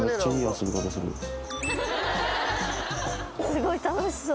すごい楽しそう。